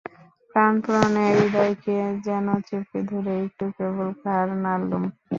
প্রাণপণে হৃদয়কে যেন চেপে ধরে একটু কেবল ঘাড় নাড়লুম।